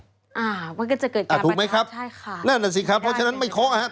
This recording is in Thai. อ่าเวลาก็จะเกิดการประทานใช่ค่ะนั่นแหละสิครับเพราะฉะนั้นไม่เคาะนะครับ